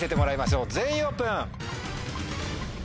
全員オープン。